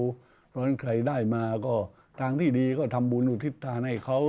เพราะฉะนั้นใครได้มาก็ทางที่ดีก็ทำบุญอุทิศทานให้เขา